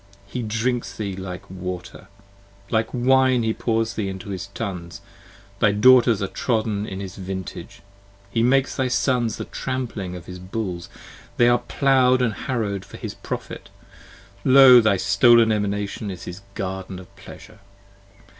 He drinks thee up like water: like wine he pours thee Into his tuns: thy Daughters are trodden in his vintage. He makes thy Sons the trampling of his bulls, they are plow'd And harrow'd for his profit, Io! thy stolen Emanation 15 Is his garden of pleasure!